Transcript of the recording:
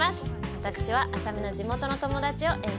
私は麻美の地元の友達を演じています。